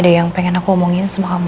ada yang pengen aku omongin sama kamu